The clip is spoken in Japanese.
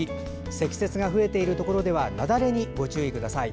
積雪が増えているところでは雪崩にご注意ください。